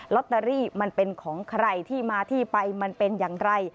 ตเตอรี่มันเป็นของใครที่มาที่ไปมันเป็นอย่างไร